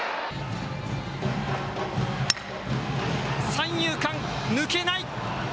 三遊間、抜けない。